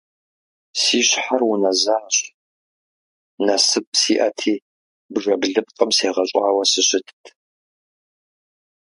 Си щхьэр унэзащ, насып сиӀэти бжэблыпкъым сегъэщӀауэ сыщытт.